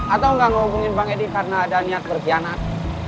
atau gak ngehubungin bang edi karena ada niat berkhianat